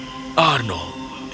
ini adalah kota yang kita inginkan